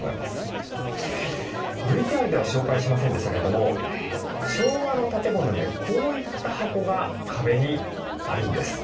ＶＴＲでは紹介しませんでしたけれども昭和の建物にはこういった箱が壁にあるんです。